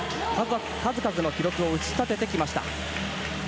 数々の記録を打ち立ててきました。